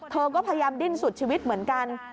เธอก็พยายามดิ้นสุดชีวิตเหมือนกัน